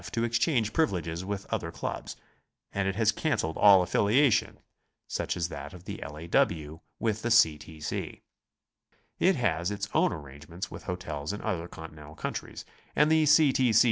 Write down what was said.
to exchange privileges with other clubs, and it has cancelled all affiliation such as that of the L. A. W. with the C. T. C. It has its own arrangements wkh hotels in other Continental countries, and the C. T. C.